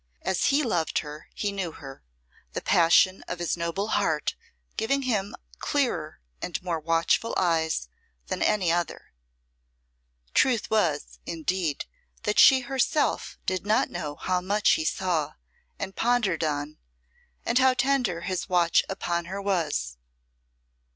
As he loved her he knew her, the passion of his noble heart giving him clearer and more watchful eyes than any other. Truth was, indeed, that she herself did not know how much he saw and pondered on and how tender his watch upon her was.